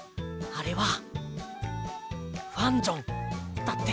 あれは「ファンジョン」だよ。